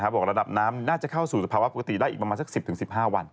บอกระดับน้ำน่าจะเข้าสู่สภาวะปกติได้อีกประมาณสัก๑๐๑๕วัน